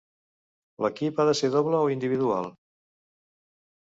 L'equip ha de ser doble o individual?